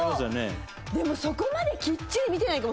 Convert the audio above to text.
でもそこまできっちり見てないかも」